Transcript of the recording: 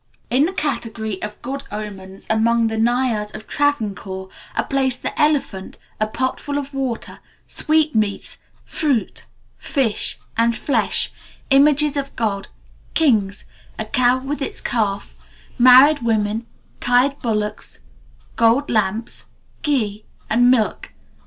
In the category of good omens among the Nayars of Travancore, are placed the elephant, a pot full of water, sweetmeats, fruit, fish, and flesh, images of gods, kings, a cow with its calf, married women, tied bullocks, gold lamps, ghi, and milk.